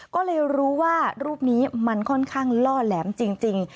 ก็เลยรู้ว่ารูปนี้มันค่อนข้างล่อแหลมจริง